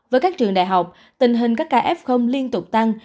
với các trường đại học tình hình các ca f liên tục tăng